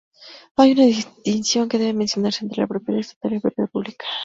Hay una distinción que debe mencionarse entre la propiedad estatal y la propiedad pública.